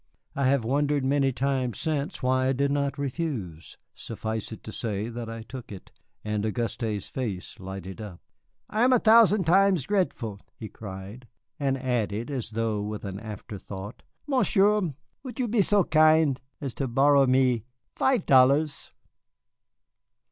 I have wondered many times since why I did not refuse. Suffice it to say that I took it. And Auguste's face lighted up. "I am a thousan' times gret'ful," he cried; and added, as though with an afterthought, "Monsieur, would you be so kin' as to borrow me fif' dollars?"